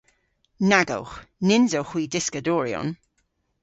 Nag owgh. Nyns owgh hwi dyskadoryon.